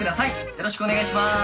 よろしくお願いします。